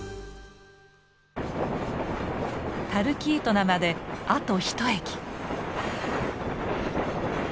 タルキートナまであとひと駅。